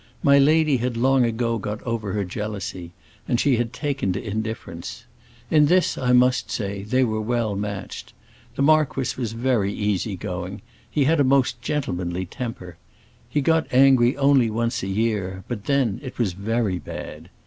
My lady had long ago got over her jealousy, and she had taken to indifference. In this, I must say, they were well matched. The marquis was very easy going; he had a most gentlemanly temper. He got angry only once a year, but then it was very bad.